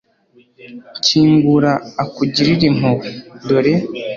kingura akugirire impuhwe, dore